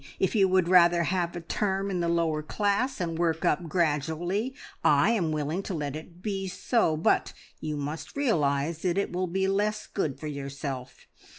If you would rather have a term in the lower class and work up gradually, I am willing to let it be so; but you must realise that it will be less good for yourself.